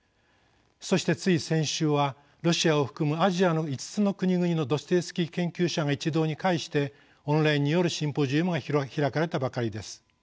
そしてつい先週はロシアを含むアジアの５つの国々のドストエフスキー研究者が一堂に会してオンラインによるシンポジウムが開かれたばかりです。